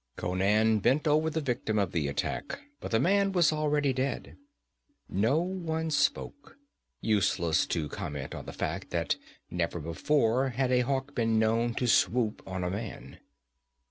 Conan bent over the victim of the attack, but the man was already dead. No one spoke; useless to comment on the fact that never before had a hawk been known to swoop on a man.